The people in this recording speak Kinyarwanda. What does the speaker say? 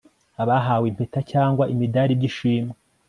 abahawe impeta cyangwa imidari by'ishimwe